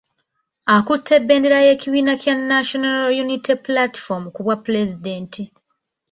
Akutte bendera y'ekibiina kya National Unity Platform ku bwapulezidenti.